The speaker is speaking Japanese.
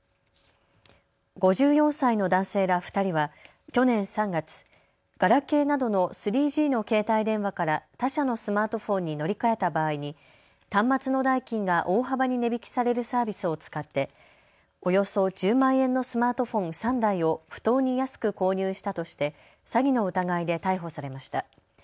５４歳の男性ら２人は去年３月、ガラケーなどの３Ｇの携帯電話から他社のスマートフォンに乗り換えた場合に端末の代金が大幅に値引きされるサービスを使っておよそ１０万円のスマートフォン３台を不当に安く購入したとして詐欺の疑いで逮捕されました。